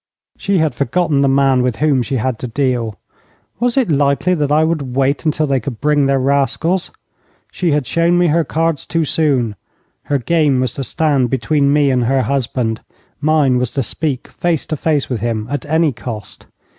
She had forgotten the man with whom she had to deal was it likely that I would wait until they could bring their rascals? She had shown me her cards too soon. Her game was to stand between me and her husband. Mine was to speak face to face with him at any cost.